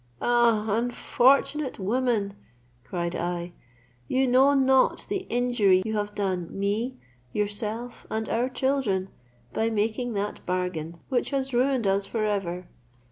"Ah! unfortunate woman!" cried I, "you know not the injury you have done me, yourself, and our children, by making that bargain, which has ruined us for ever.